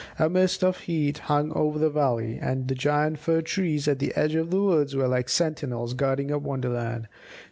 A mist of heat hung over the valley, and the giant fir trees at the edge of the wood were like sentinels guarding a wonderland.